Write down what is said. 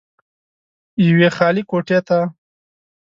يوې خالې کوټې ته